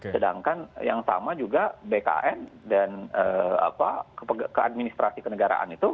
sedangkan yang sama juga bkn dan keadministrasi kenegaraan itu